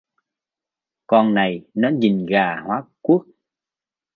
Con này nó nhìn gà hóa quốc